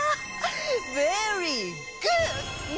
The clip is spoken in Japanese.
ベリーグー！